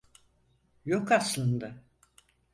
Yok aslında.